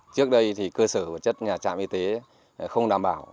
trước đây thì cơ sở vật chất nhà trạm y tế không đảm bảo